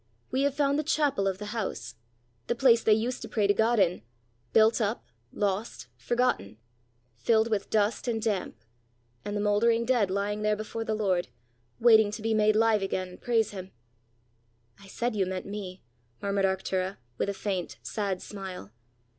We have found the chapel of the house, the place they used to pray to God in, built up, lost, forgotten, filled with dust and damp and the mouldering dead lying there before the Lord, waiting to be made live again and praise him!" "I said you meant me!" murmured Arctura, with a faint, sad smile.